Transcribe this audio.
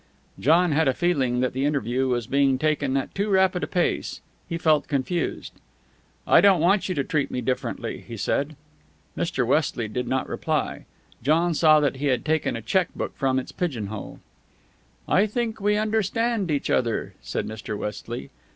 John had a feeling that the interview was being taken at too rapid a pace. He felt confused. "I don't want you to treat me differently," he said. Mr. Westley did not reply. John saw that he had taken a check book from its pigeonhole. "I think we understand each other," said Mr. Westley.